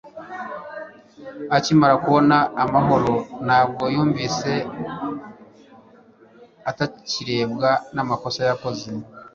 akimara kubona amahoro, ntabwo yumvise atakirebwa n'amakosa yakoze